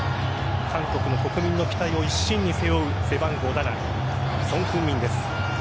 韓国の国民の期待を一身に背負う背番号７がソン・フンミンです。